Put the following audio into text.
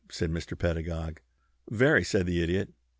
said Mr. Pedagog. "Very," said the Idiot.